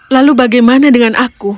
lalu bagaimana dengan aku